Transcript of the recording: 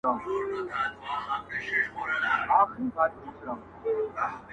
نه د عقل يې خبر د چا منله٫